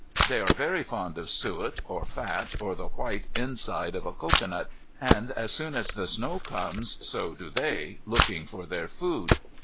They are very fond of suet or fat or the white inside of a cocoanut, and as soon as the snow comes so do they, looking for their food.